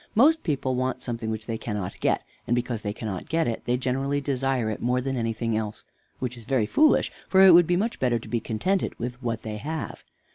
Most people want something which they cannot get; and because they cannot get it, they generally desire it more than anything else, which is very foolish, for it would be much better to be contented with what they have.